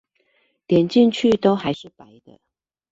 點進去都還是白的